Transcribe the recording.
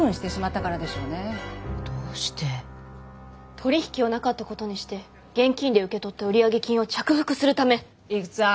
取り引きをなかったことにして現金で受け取った売上金を着服するため。